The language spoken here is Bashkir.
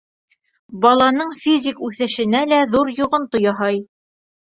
Баланың физик үҫешенә лә ҙур йоғонто яһай.